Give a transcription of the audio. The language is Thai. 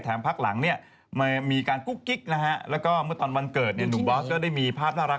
แถมพักหลังมีการกุ๊กกิ๊กแล้วก็เมื่อตอนวันเกิดหนูบอสก็ได้มีภาพน่ารัก